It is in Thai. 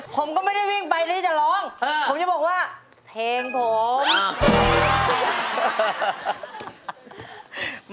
ผมก็ไม่ได้วิ่งไปที่จะร้องผมจะบอกว่าเพลงผม